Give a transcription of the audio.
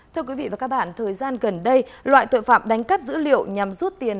thưa quý vị và các bạn thời gian gần đây loại tội phạm đánh cắp dữ liệu nhằm rút tiền